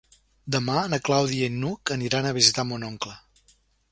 Demà na Clàudia i n'Hug aniran a visitar mon oncle.